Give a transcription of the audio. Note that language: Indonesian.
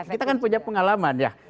kita kan punya pengalaman ya